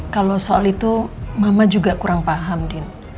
kalau soal itu mama juga kurang paham din